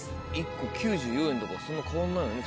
１個９４円だからそんな変わんないよね